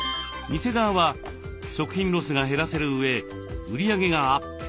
店側は食品ロスが減らせるうえ売り上げがアップ。